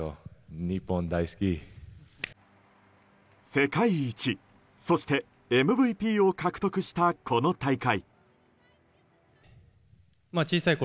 世界一、そしてＭＶＰを獲得したこの大会。